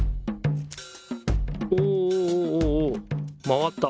おおおおおまわった。